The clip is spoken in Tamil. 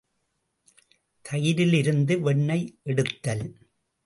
தயிரிலிருந்து வெண்ணெய் எடுத்தல்.